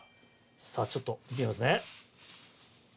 ちょっと見てみますね。